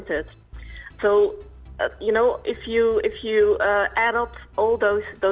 jadi anda tahu jika anda menambahkan semua itu